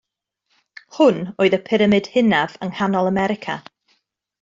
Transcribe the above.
Hwn oedd y pyramid hynaf yng Nghanol America.